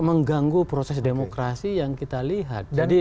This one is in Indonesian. mengganggu proses demokrasi yang kita lihat